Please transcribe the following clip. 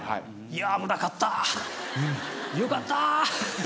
危なかった！よかった！